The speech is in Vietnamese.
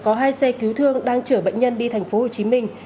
có hai xe cứu thương đang chở bệnh nhân đi thành phố hồ chí minh